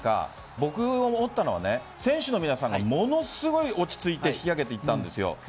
僕が思ったのは選手の皆さんがものすごい落ち着いて引き上げていったんです。